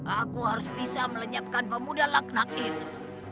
aku harus bisa melenyapkan pemuda laknak itu